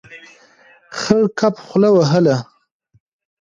خړ کب خوله وهله.